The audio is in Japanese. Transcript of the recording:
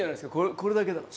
これだけだから。